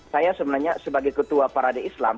saya sebenarnya sebagai ketua parade islam